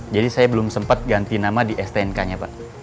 jadi saya belum sempat ganti nama di stnk nya pak